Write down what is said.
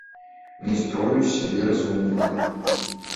Не строю з сябе разумніка.